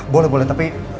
boleh boleh tapi